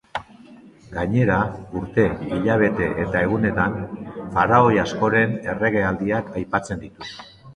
Gainera, urte, hilabete eta egunetan, faraoi askoren erregealdiak aipatzen ditu.